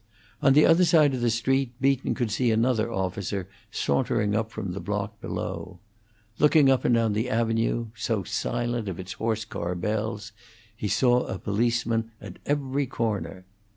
On the other side of the street Beaton could see another officer sauntering up from the block below. Looking up and down the avenue, so silent of its horse car bells, he saw a policeman at every corner.